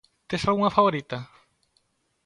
Tes algunha favorita?